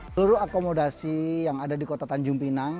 seluruh akomodasi yang ada di kota tanjung pinang